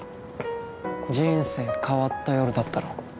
人生変わった夜だったろ？